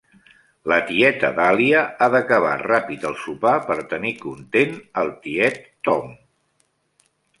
La tieta Dahlia ha d'acabar ràpid el sopar per tenir content el tiet Tom.